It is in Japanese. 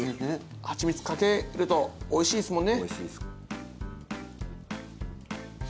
はちみつかけるとおいしいですもんね。